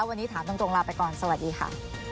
วันนี้ถามตรงลาไปก่อนสวัสดีค่ะ